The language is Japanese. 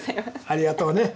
ありがとうね。